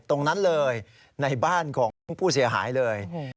ตรงนั้นเลยในบ้านของผู้เสียหายเลย